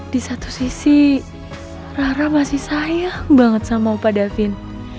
di satu sisi rara masih sayang banget sama pak davin